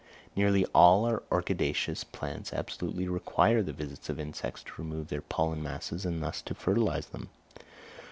Nearly all our orchidaceous plants absolutely require the visits of insects to remove their pollen masses and thus to fertilise them.